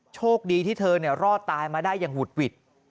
โชคดีที่เธอรอดตายมาได้อย่างหุดหวิด